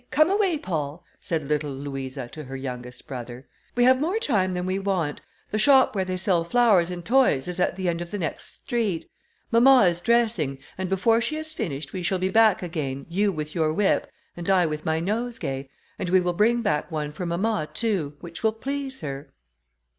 come away, Paul," said little Louisa to her youngest brother, "we have more time than we want; the shop where they sell flowers and toys is at the end of the next street; mamma is dressing, and before she has finished we shall be back again, you with your whip, and I with my nosegay, and we will bring back one for mamma too, which will please her."